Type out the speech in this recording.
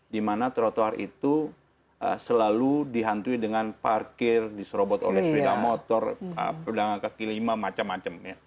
dimana trotoar itu selalu dihantui dengan parkir diserobot oleh sepeda motor pedang kaki lima macam macam ya